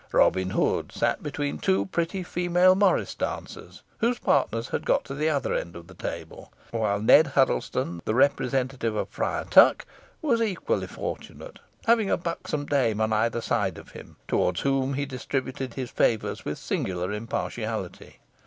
Robin Hood sat between two pretty female morris dancers, whose partners had got to the other end of the table; while Ned Huddlestone, the representative of Friar Tuck, was equally fortunate, having a buxom dame on either side of him, towards whom he distributed his favours with singular impartiality.